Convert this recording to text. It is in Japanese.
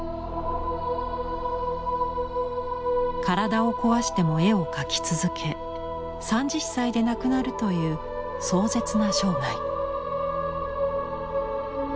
体を壊しても絵を描き続け３０歳で亡くなるという壮絶な生涯。